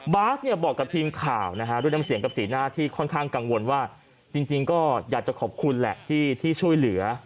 บาสเนี่ยบอกกับทีมข่าวนะฮะด้วยน้ำเสียงกับสีหน้าที่ค่อนข้างกังวลว่าจริงก็อยากจะขอบคุณแหละที่ช่วยเหลือ